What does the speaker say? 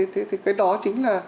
thế thì cái đó chính là